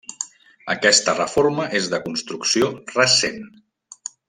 Aquesta reforma és de construcció recent.